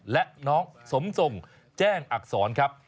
และน้องสมทรงแจ้งอักษรครับ